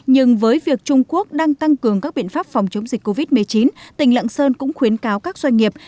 nhưng với việc trung quốc đang tăng cường các biện pháp phòng chống dịch covid một mươi chín tỉnh lạng sơn cũng khuyến cáo các doanh nghiệp